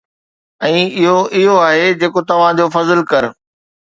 ۽ اھو اھو آھي جيڪو توھان جو فضل ڪر.